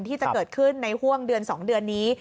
ที่จะเกิดขึ้นในห่วงเดือน๒เดือนนี้